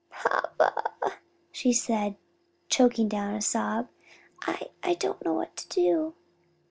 "Papa," she said, choking down a sob, "I I don't know what to do."